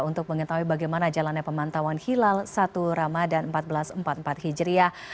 untuk mengetahui bagaimana jalannya pemantauan hilal satu ramadhan seribu empat ratus empat puluh empat hijriah